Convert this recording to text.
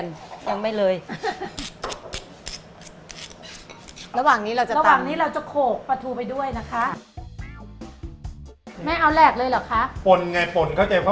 ส่ายเยอะไหมคะแม่ส่ายเยอะไหมคะ